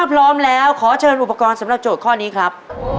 พร้อมแล้วขอเชิญอุปกรณ์สำหรับโจทย์ข้อนี้ครับ